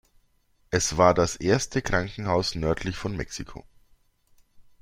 Es war das erste Krankenhaus nördlich von Mexiko.